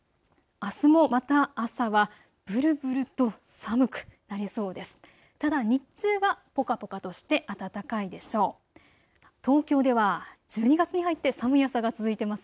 あすもまた朝はぶるぶると寒くなりそうです。